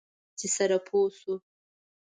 چې سره پوه شو.